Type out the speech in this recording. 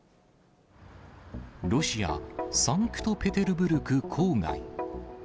ロシア・サンクトペテルブルク郊外。